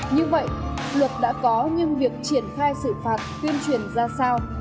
như vậy luật đã có nhưng việc triển khai xử phạt tuyên truyền ra sao